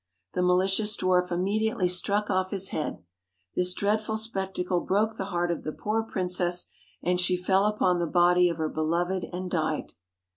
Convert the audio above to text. The malicious dwarf immediately struck off his head. This dreadful spectacle broke the heart of the poor princess, and she fell upon the body of her beloved and died.